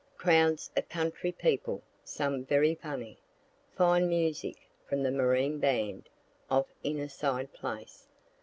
Crowds of country people, some very funny. Fine music from the Marine band, off in a side place.